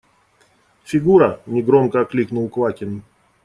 – Фигура! – негромко окликнул Квакин.